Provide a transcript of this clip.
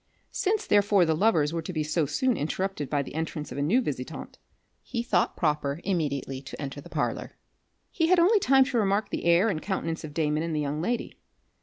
Since therefore the lovers were to be so soon interrupted by the entrance of a new visitant, he thought proper immediately to enter the parlour. He had only time to remark the air and countenance of Damon and the young lady.